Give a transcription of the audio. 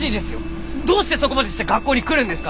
どうしてそこまでして学校に来るんですか！？